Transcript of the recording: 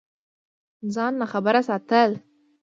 ځان ناخبره ساتل